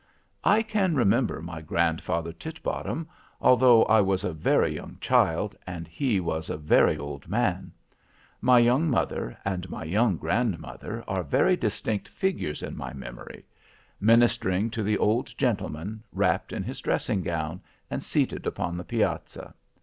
"I can remember my grandfather Titbottom, although I was a very young child, and he was a very old man. My young mother and my young grandmother are very distinct figures in my memory, ministering to the old gentleman, wrapped in his dressing gown, and seated upon the piazza.